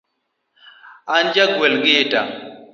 An ja gwel gita.